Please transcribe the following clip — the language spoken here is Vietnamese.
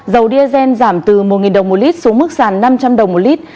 dầu diesel giảm từ một đồng một lít xuống mức sàn năm trăm linh đồng một lít